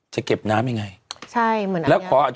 จะเก็บน้ำยังไงใช่เหมือนกัน